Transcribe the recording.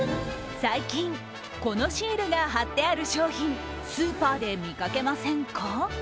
最近、このシールが貼ってある商品スーパーで見かけませんか？